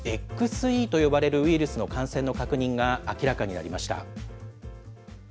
ＸＥと呼ばれるウイルスの感染の確認が明らかになりました。